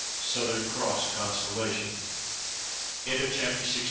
[Southern Cross constellation] CHAPTER LXX.